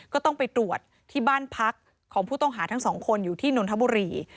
ก็ต้องไปตรวจที่บ้านพักของผู้ต้องหาทั้งสองคนอยู่ที่นนทบุรี